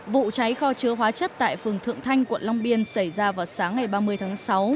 vụ cháy kho chứa hóa chất tại phường thượng thanh quận long biên xảy ra vào sáng ngày ba mươi tháng sáu